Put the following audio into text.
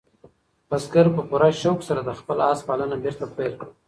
بزګر په پوره شوق سره د خپل آس پالنه بېرته پیل کړه.